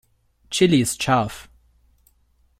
Chili ist scharf.